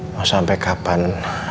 mau sampai kapan